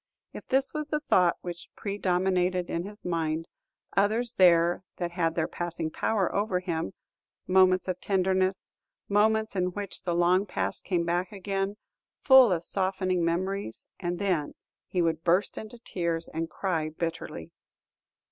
If this was the thought which predominated in his mind, others there were that had their passing power over him, moments of tenderness, moments in which the long past came back again, full of softening memories; and then he would burst into tears and cry bitterly.